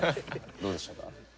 どうでしたか？